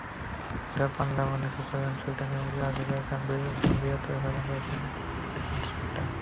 Japan, Germany, Switzerland, Sweden এমনকি আফ্রিকার জাম্বিয়াতেও স্থাপন করেছেন মেডিটেশন সেন্টার।